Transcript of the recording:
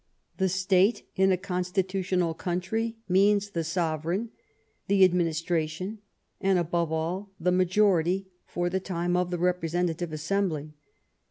The State in a constitu tional country means the sovereign, the adminis tration, and, above all, the majority for the time in the Representative Assembly.